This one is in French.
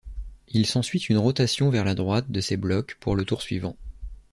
Il s'ensuit une rotation vers la droite de ces blocs pour le tour suivant.